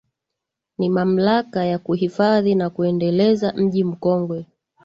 Ni mamlaka ya Kuhifadhi na Kuendeleza Mji Mkongwe